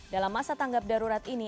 dalam masa tanggap darurat ini